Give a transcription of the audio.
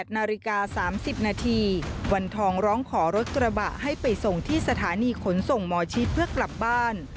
นาฬิกา๓๐นาทีวันทองร้องขอรถกระบะให้ไปส่งที่สถานีขนส่งหมอชิดเพื่อกลับบ้าน